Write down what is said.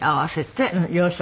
洋食。